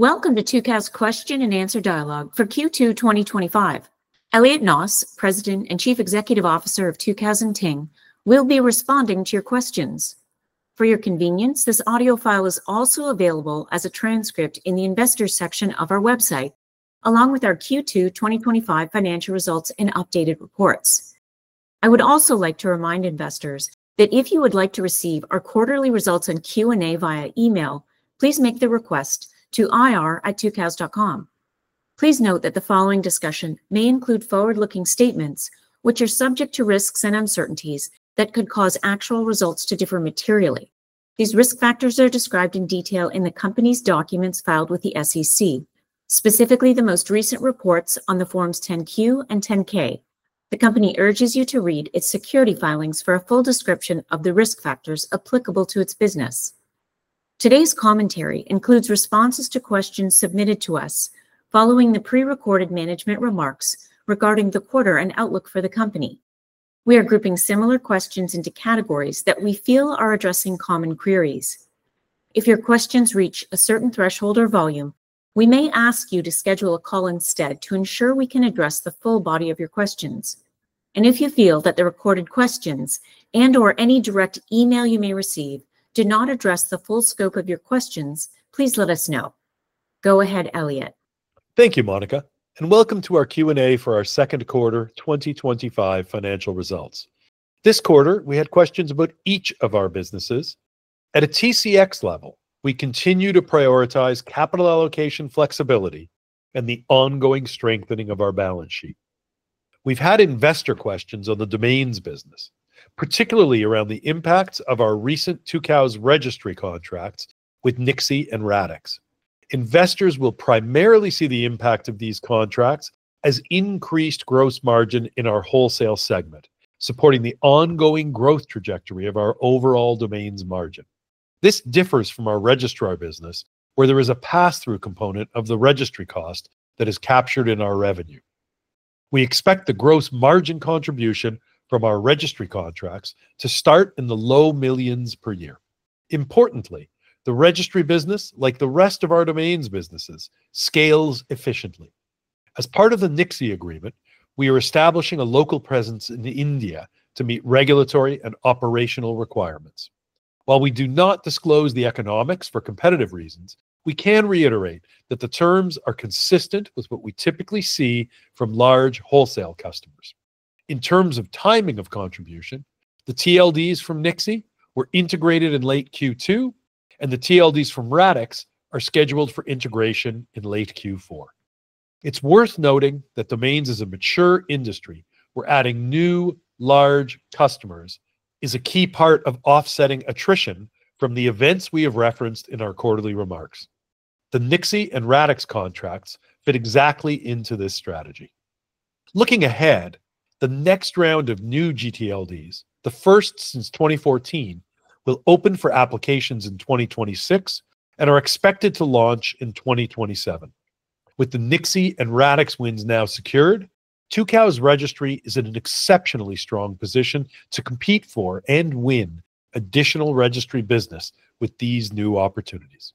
Welcome to Tucows question and answer dialogue for Q2 2025. Elliot Noss, President and Chief Executive Officer of Tucows & Ting, will be responding to your questions. For your convenience, this audio file is also available as a transcript in the Investors section of our website, along with our Q2 2025 financial results and updated reports. I would also like to remind investors that if you would like to receive our quarterly results and Q&A via email, please make the request to ir@tucows.com. Please note that the following discussion may include forward-looking statements, which are subject to risks and uncertainties that could cause actual results to differ materially. These risk factors are described in detail in the company's documents filed with the SEC, specifically the most recent reports on the Forms 10-Q and 10-K. The company urges you to read its SEC filings for a full description of the risk factors applicable to its business. Today's commentary includes responses to questions submitted to us following the pre-recorded management remarks regarding the quarter and outlook for the company. We are grouping similar questions into categories that we feel are addressing common queries. If your questions reach a certain threshold or volume, we may ask you to schedule a call instead to ensure we can address the full body of your questions, and if you feel that the recorded questions and/or any direct email you may receive do not address the full scope of your questions, please let us know. Go ahead, Elliot. Thank you, Monica, and welcome to our Q&A for our second quarter 2025 financial results. This quarter, we had questions about each of our businesses. At a TCX level, we continue to prioritize capital allocation flexibility and the ongoing strengthening of our balance sheet. We've had investor questions on the domains business, particularly around the impacts of our recent Tucows Registry contracts with NIXI and Radix. Investors will primarily see the impact of these contracts as increased gross margin in our wholesale segment, supporting the ongoing growth trajectory of our overall domains margin. This differs from our registrar business, where there is a pass-through component of the registry cost that is captured in our revenue. We expect the gross margin contribution from our registry contracts to start in the low millions per year. Importantly, the registry business, like the rest of our domains businesses, scales efficiently. As part of the NIXI agreement, we are establishing a local presence in India to meet regulatory and operational requirements. While we do not disclose the economics for competitive reasons, we can reiterate that the terms are consistent with what we typically see from large wholesale customers. In terms of timing of contribution, the TLDs from NIXI were integrated in late Q2, and the TLDs from Radix are scheduled for integration in late Q4. It's worth noting that domains is a mature industry where adding new large customers is a key part of offsetting attrition from the events we have referenced in our quarterly remarks. The NIXI and Radix contracts fit exactly into this strategy. Looking ahead, the next round of new gTLDs, the first since 2014, will open for applications in 2026 and are expected to launch in 2027. With the NIXI and Radix wins now secured, Tucows Registry is in an exceptionally strong position to compete for and win additional registry business with these new opportunities.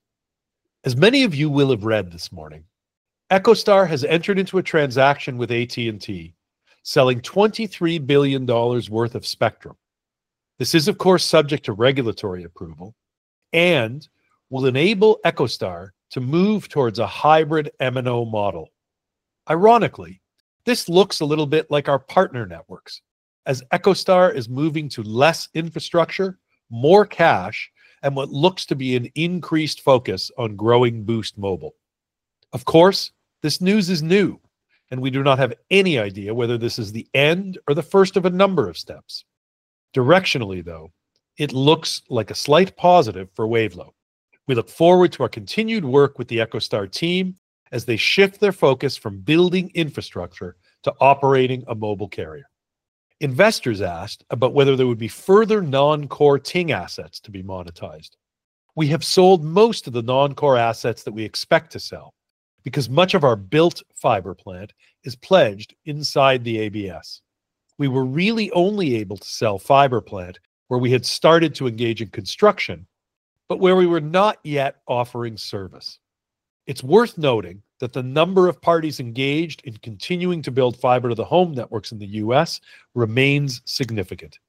As many of you will have read this morning, EchoStar has entered into a transaction with AT&T, selling $23 billion worth of Spectrum. This is, of course, subject to regulatory approval and will enable EchoStar to move towards a hybrid MNO model. Ironically, this looks a little bit like our partner networks, as EchoStar is moving to less infrastructure, more cash, and what looks to be an increased focus on growing Boost Mobile. Of course, this news is new, and we do not have any idea whether this is the end or the first of a number of steps. Directionally, though, it looks like a slight positive for Wavelo. We look forward to our continued work with the EchoStar team as they shift their focus from building infrastructure to operating a mobile carrier. Investors asked about whether there would be further non-core Ting assets to be monetized. We have sold most of the non-core assets that we expect to sell because much of our built fiber plant is pledged inside the ABS. We were really only able to sell fiber plant where we had started to engage in construction, but where we were not yet offering service. It's worth noting that the number of parties engaged in continuing to build fiber to the home networks in the U.S. remains significant.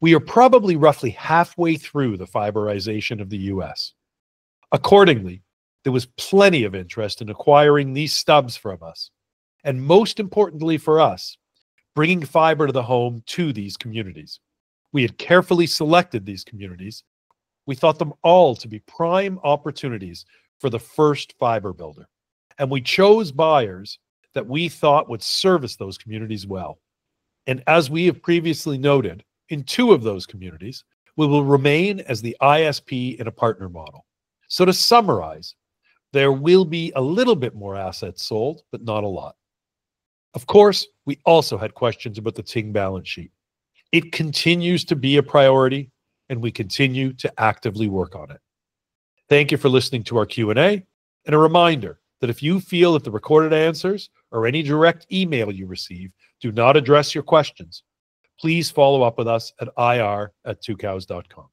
We are probably roughly halfway through the fiberization of the U.S. Accordingly, there was plenty of interest in acquiring these stubs from us, and most importantly for us, bringing fiber to the home to these communities. We had carefully selected these communities. We thought them all to be prime opportunities for the first fiber builder, and we chose buyers that we thought would service those communities well. As we have previously noted, in two of those communities, we will remain as the ISP in a partner model. So to summarize, there will be a little bit more assets sold, but not a lot. Of course, we also had questions about the Ting balance sheet. It continues to be a priority, and we continue to actively work on it. Thank you for listening to our Q&A, and a reminder that if you feel that the recorded answers or any direct email you receive do not address your questions, please follow up with us at ir@tucows.com.